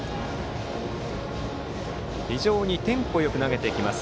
非常にテンポよく投げていきます